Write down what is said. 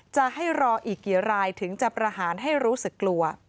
จะให้รออีกกี่รายถึงจะประหารให้รู้สึกกลัว